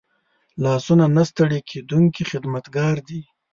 لاسونه نه ستړي کېدونکي خدمتګار دي